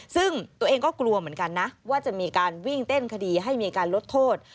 ซึ่งตัวเองก็กลัวเหมือนกันนะว่าจะมีการวิ่งเต้นคดีให้มีการลดโทษ